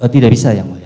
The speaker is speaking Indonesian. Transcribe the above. tidak bisa yang mulia